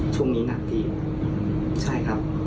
ช่วงนี้หนักพี่ใช่ครับ